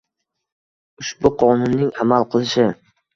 Ushbu Qonunning amal qilishi: